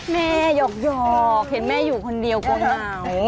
แม่หยอกเห็นแม่อยู่คนเดียวกว่าเรา